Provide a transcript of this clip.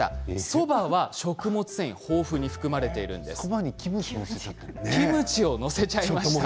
そばは食物繊維豊富に含まれているんです。